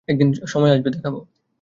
একদিন সময় আসবে, দেখাব।